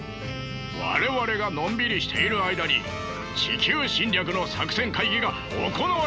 我々がのんびりしている間に地球侵略の作戦会議が行われているかもしれんのだ！